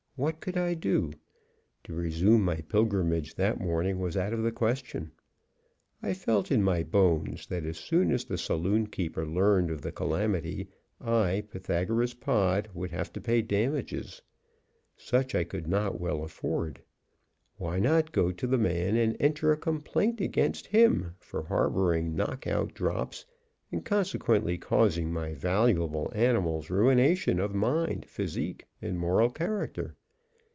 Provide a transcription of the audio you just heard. What could I do? To resume my pilgrimage that morning was out of the question. I felt in my bones that as soon as the saloonkeeper learned of the calamity, I, Pythagoras Pod, would have to pay damages. Such I could not well afford. Why not go to the man and enter a complaint against him for harboring knock out drops, and consequently causing my valuable animals ruination of mind, physique and moral character?